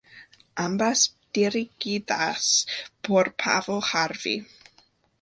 Ambas dirigidas por Paavo Järvi.